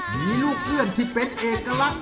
มีลูกเอื้อนที่เป็นเอกลักษณ